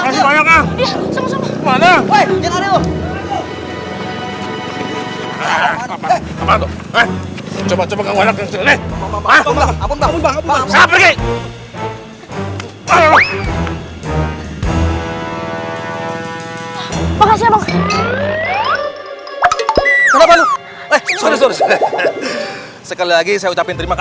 sampai jumpa di video selanjutnya